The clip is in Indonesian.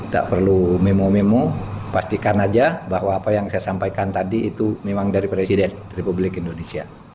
tak perlu memo memo pastikan aja bahwa apa yang saya sampaikan tadi itu memang dari presiden republik indonesia